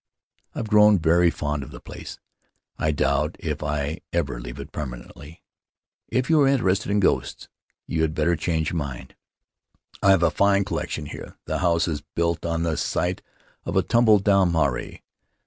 I've grown very fond of the place; I doubt if I ever leave it per manentlv. If you are interested in ghosts, you had The Land of Ahu Ahu better change your mind. I have a fine collection here; the house is built on the site of a tumble down marae.